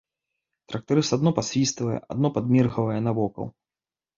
Трактарыст адно пасвіствае, адно падміргвае навокал.